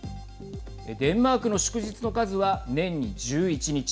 デンマークの祝日の数は年に１１日。